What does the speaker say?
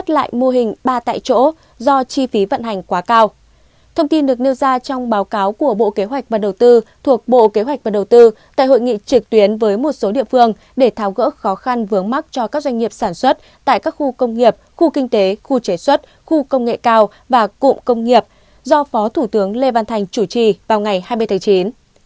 các bộ hình được nêu ra trong báo cáo của bộ kế hoạch và đầu tư thuộc bộ kế hoạch và đầu tư tại hội nghị trực tuyến với một số địa phương để tháo gỡ khó khăn vướng mắc cho các doanh nghiệp sản xuất tại các khu công nghiệp khu kinh tế khu chế xuất khu công nghệ cao và cụm công nghiệp do phó thủ tướng lê văn thành chủ trì vào ngày hai mươi tháng chín